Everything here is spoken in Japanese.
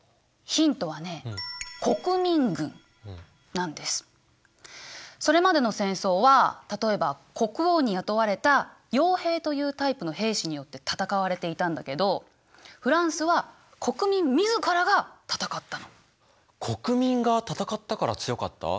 ヒントはねそれまでの戦争は例えば国王に雇われたよう兵というタイプの兵士によって戦われていたんだけど国民が戦ったから強かった？